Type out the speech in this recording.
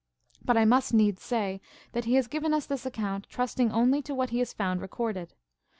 But 1 must needs say, that he has given us this account, trusting only to what he has found recorded.